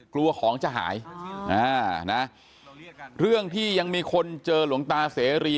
กลัวของจะหายนะเรื่องที่ยังมีคนเจอหลวงตาเสรี